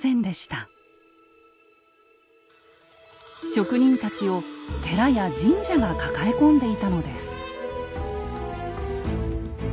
職人たちを寺や神社が抱え込んでいたのです。